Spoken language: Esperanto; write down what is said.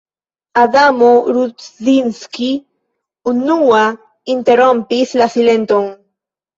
Adamo Rudzinski unua interrompis la silenton.